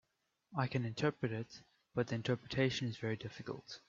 I can interpret it, but the interpretation is very difficult.